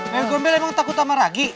ww gombele emang takut sama ragi